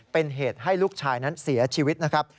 เป็นเหตุให้ลูกชายนั้นเสียชีวิตนะครับ